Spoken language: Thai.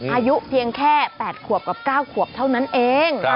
อายุเพียงแค่๘ขวบกับ๙ขวบเท่านั้นเอง